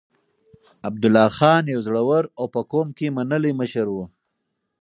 عبدالله خان يو زړور او په قوم کې منلی مشر و.